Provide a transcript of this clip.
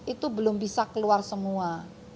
itu belum bisa keluar semua